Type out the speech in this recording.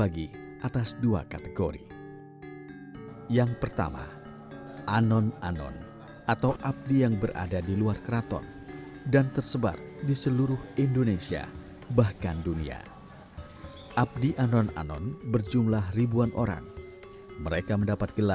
di sekitar lingkungan keraton surakarta